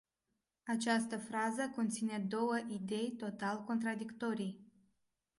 Această frază conține două idei total contradictorii.